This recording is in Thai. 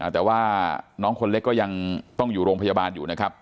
แต่ว่าน้องคนเล็กก็ยังต้องอยู่โรงพยาบาลอยู่นะครับ